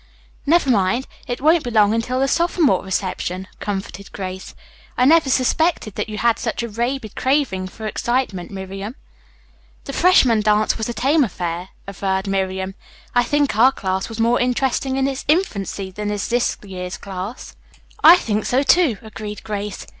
"Never mind, it won't be long until the sophomore reception," comforted Grace. "I never suspected that you had such a rabid craving for excitement, Miriam." "The freshman dance was a tame affair," averred Miriam. "I think our class was more interesting in its infancy than is this year's class." "I think so, too," agreed Grace.